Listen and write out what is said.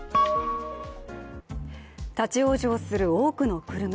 立往生する多くの車。